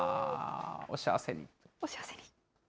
お幸せに。